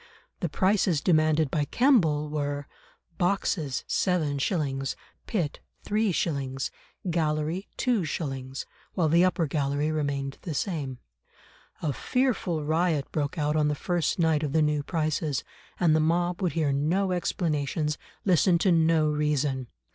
The prices demanded by Kemble were: boxes 7s.; pit 3s.; gallery 2s.; while the upper gallery remained the same. A fearful riot broke out on the first night of the new prices, and the mob would hear no explanations, listen to no reason.